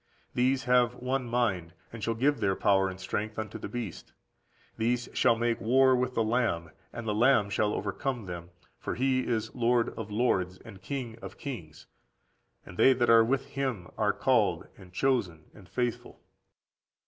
These have one mind, and shall give their power and strength unto the beast. These shall make war with the Lamb, and the Lamb shall overcome them: for he is Lord of lords, and King of 212kings; and they that are with Him are called, and chosen, and faithful.